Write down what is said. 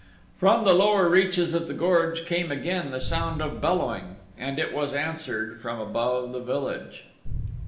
From the lower reaches of the gorge came again the sound of bellowing, and it was answered from above the village.